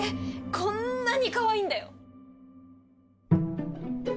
こんなにかわいいんだよ。